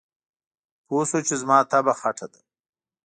پوی شو چې زما طبعه خټه ده.